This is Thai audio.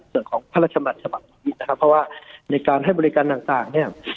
ส่วนของพระราชมัติฉบับนี้นะครับเพราะว่าในการให้บริการต่างเนี่ย